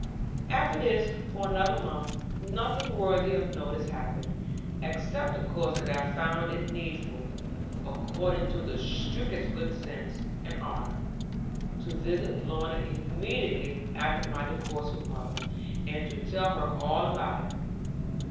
After this, for another month, nothing worthy of notice happened, except of course that I found it needful, according to the strictest good sense and honour, to visit Lorna immediately after my discourse with mother, and to tell her all about it.